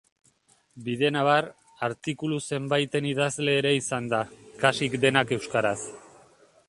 Bidenabar, artikulu zenbaiten idazle ere izan da, kasik denak euskaraz.